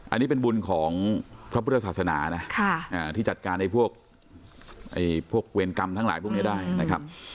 อันนี้เป็นบุญของพระพุทธศาสนานะที่จัดการในพวกเวรกรรมทั้งหลายพวกนี้ได้นะครับ